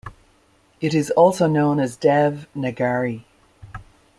It is also known as Dev Nagari.